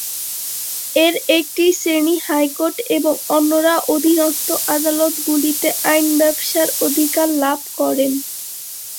এর একটি শ্রেণি হাইকোর্ট এবং অন্যরা অধীনস্থ আদালতগুলিতে আইন ব্যবসার অধিকার লাভ করেন।